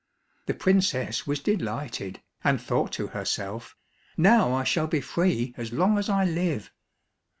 The princess was delighted, and thought to herself, "Now I shall be free as long as I live."